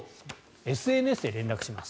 ＳＮＳで連絡します。